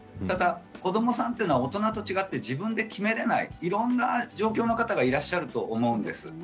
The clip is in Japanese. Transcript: ただ子どもさんというのは大人と違って自分で決められないいろんな状況の方がいらっしゃると思うんです。